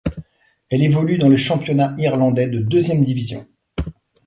Elle évolue dans le championnat irlandais de deuxième division.